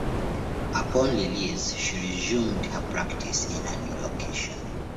Upon release, she resumed her practice in a new location.